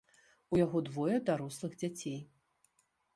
У яго двое дарослых дзяцей.